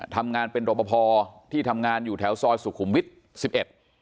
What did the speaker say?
ทำงานเป็นรบพอที่ทำงานอยู่แถวซอยสุขุมวิทย์สิบเอ็ด